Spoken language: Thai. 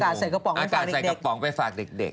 อากาศใส่กระป๋องไปฝากเด็ก